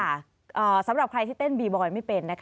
ใช่ค่ะสำหรับใครที่เต้นบีบอย์ไม่เป็น